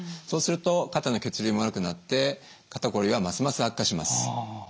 そうすると肩の血流も悪くなって肩こりはますます悪化します。